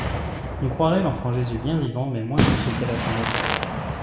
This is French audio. On croirait l'Enfant Jésus bien vivant mais moins que ce qu'elle attendait.